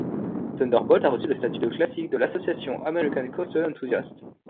Thunderbolt a reçu le statut de classique de l'association American Coaster Enthusiasts.